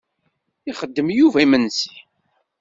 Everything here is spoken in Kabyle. Ixeddem Yuba imensi.